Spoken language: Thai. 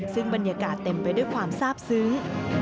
ซึ่งบรรยากาศเต็มไปด้วยความทราบซึ้ง